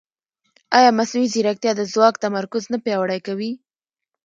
ایا مصنوعي ځیرکتیا د ځواک تمرکز نه پیاوړی کوي؟